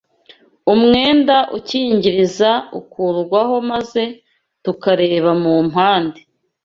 umwenda ukingiriza ukurwaho maze tukareba mu mpande